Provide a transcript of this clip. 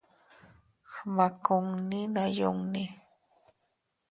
Gmakunni naa yunni.